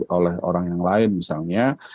oleh orang yang lain misalnya